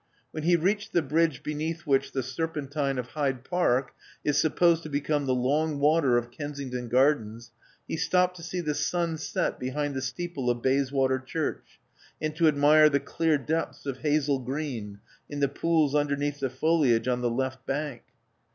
When he reached the bridge beneath which the Serpentine of Hyde Park is supposed to become the Long Water of Kensington Gardens, he stopped to see the sun set behind the steeple of Bayswater Church, and to admire the clear depths of hazel green in the pools imderneath the foliage on the left bank.